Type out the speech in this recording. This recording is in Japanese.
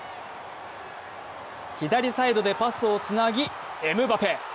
左サイドでパスをつなぎエムバペ。